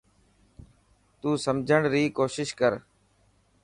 تو سمجهڻ ي ڪوشش ڪر.